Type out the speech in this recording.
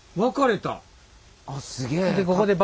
あっすげえ。